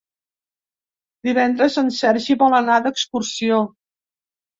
Divendres en Sergi vol anar d'excursió.